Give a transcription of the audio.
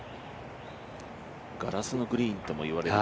ガラスのグリーンともいわれる